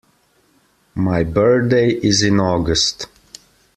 My birthday is in August.